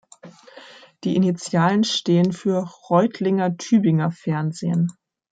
Die Initialen stehen für Reutlinger Tübinger Fernsehen.